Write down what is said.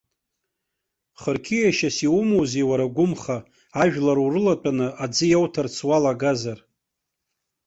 Хырқьиашьас иумоузеи уара агәымха, ажәлар урылатәаны аӡы иауҭарц уалагазар.